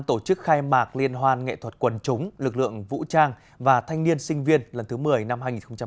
tổ chức khai mạc liên hoan nghệ thuật quần chúng lực lượng vũ trang và thanh niên sinh viên lần thứ một mươi năm hai nghìn hai mươi